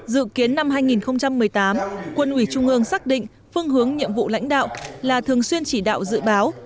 dự kiến năm hai nghìn một mươi tám quân ủy trung ương xác định phương hướng nhiệm vụ lãnh đạo là thường xuyên chỉ đạo dự báo